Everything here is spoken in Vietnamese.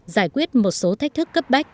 giải quyết một số thách thức cấp bách